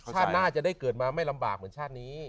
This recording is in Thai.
ชาติหน้าจะได้เกิดมาไม่ลำบากเหมือนชาตินี้